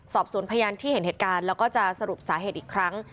สอบส่วนพยานที่เห็นเหตุการณ์